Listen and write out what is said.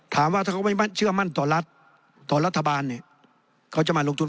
ถามว่าถ้าเขาไม่เชื่อมั่นต่อรัฐต่อรัฐบาลเนี่ยเขาจะมาลงทุน